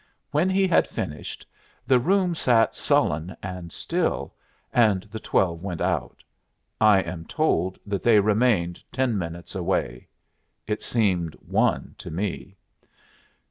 When he had finished, the room sat sullen and still, and the twelve went out. I am told that they remained ten minutes away. It seemed one to me.